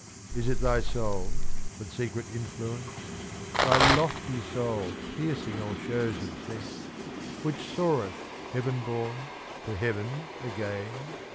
Is it thy soul, with secret influence, Thy lofty soul piercing all shows of sense, Which soareth, heaven born, to heaven again?